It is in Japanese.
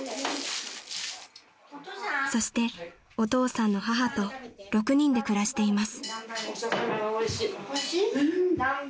［そしてお父さんの母と６人で暮らしています］